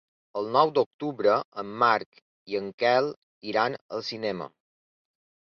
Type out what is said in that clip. El nou d'octubre en Marc i en Quel iran al cinema.